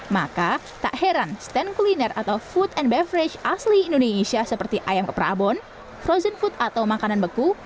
maka tak heran stand kuliner atau food and beverage asli indonesia seperti ayam keprabon frozen food atau makanan beku